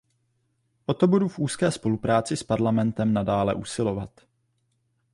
O to budu v úzké spolupráci s Parlamentem nadále usilovat.